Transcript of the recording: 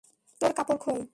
তোর কাপড় খোল!